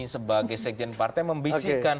sebagai sekjen partai membisikkan